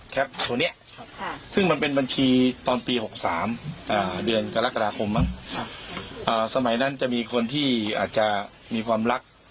ตัวนี้ซึ่งมันเป็นบัญชีตอนปี๖๓เดือนกรกฎาคมสมัยนั้นจะมีคนที่อาจจะมีความรัก